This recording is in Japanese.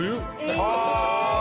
はあ！